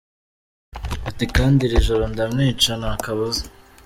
Ati “Kandi iri joro ndamwica ntakabuza”.